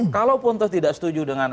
kalau pontos tidak setuju dengan